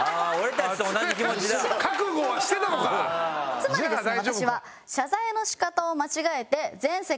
つまりですね私は。